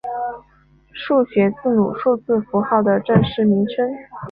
数学字母数字符号的正式名称。